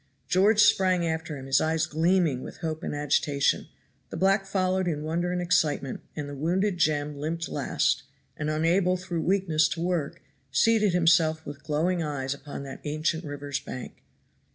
George sprang after him, his eyes gleaming with hope and agitation; the black followed in wonder and excitement, and the wounded Jem limped last, and, unable through weakness to work, seated himself with glowing eyes upon that ancient river's bank.